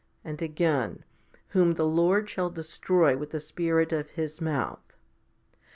and again, Whom the Lord shall destroy with the Spirit of His mouth.